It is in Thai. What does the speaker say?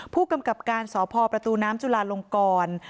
ผู้กำกับการสพประตูน้ำจุลาลงกร